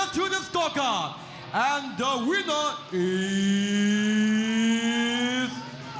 และรักษาต่อไปเป็น